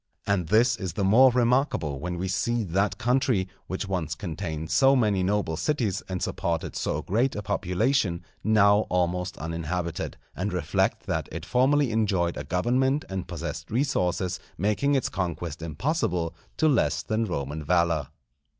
And this is the more remarkable when we see that country, which once contained so many noble cities, and supported so great a population, now almost uninhabited; and reflect that it formerly enjoyed a government and possessed resources making its conquest impossible to less than Roman valour.